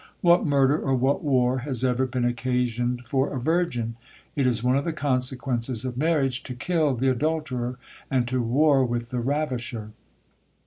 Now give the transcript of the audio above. What murder, or what war, has ever been occasioned for a virgin? It is one of the consequences of marriage to kill the adulterer, and to war with the ravisher."